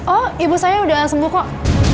oh ibu saya udah sembuh kok